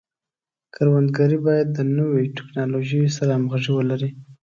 کروندګري باید د نوو ټکنالوژیو سره همغږي ولري.